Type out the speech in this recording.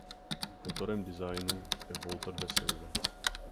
Autorem designu je Walter de Silva.